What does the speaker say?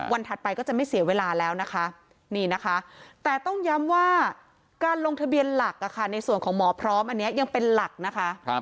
ถัดไปก็จะไม่เสียเวลาแล้วนะคะนี่นะคะแต่ต้องย้ำว่าการลงทะเบียนหลักในส่วนของหมอพร้อมอันนี้ยังเป็นหลักนะคะ